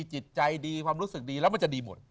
จิตใจดีความรู้สึกดีแล้วมันจะดีหมด